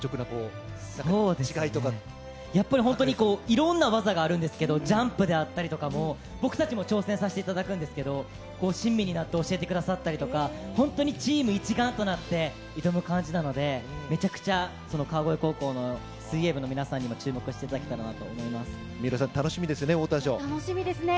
そうですね、やっぱりいろんな技があるんですけど、ジャンプであったりとかも、僕たちも挑戦させていただくんですけど、親身になって教えてくださったりとか、本当にチーム一丸となって、挑む感じなので、めちゃくちゃ川越高校の水泳部の皆さんにも注目していただきたい水卜さん、楽しみですね、楽しみですね。